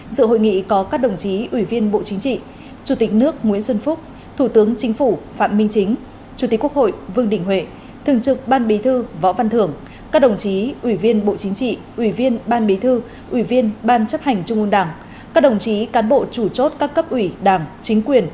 dự hội nghị có các đồng chí ủy viên bộ chính trị chủ tịch nước nguyễn xuân phúc thủ tướng chính phủ phạm minh chính chủ tịch quốc hội vương đình huệ thường trực ban bí thư võ văn thưởng các đồng chí ủy viên bộ chính trị ủy viên ban bí thư ủy viên ban chấp hành trung ương đảng các đồng chí cán bộ chủ chốt các cấp ủy đảng chính quyền